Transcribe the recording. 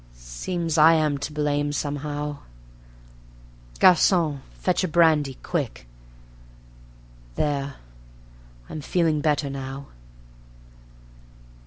Seems I am to blame somehow. Garcon, fetch a brandy quick ... There! I'm feeling better now.